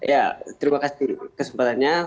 ya terima kasih kesempatannya